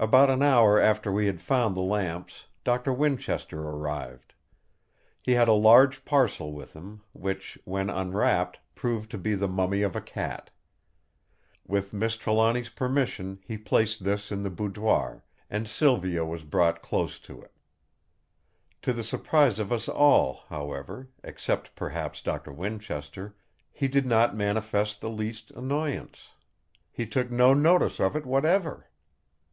About an hour after we had found the lamps, Doctor Winchester arrived. He had a large parcel with him, which, when unwrapped, proved to be the mummy of a cat. With Miss Trelawny's permission he placed this in the boudoir; and Silvio was brought close to it. To the surprise of us all, however, except perhaps Doctor Winchester, he did not manifest the least annoyance; he took no notice of it whatever.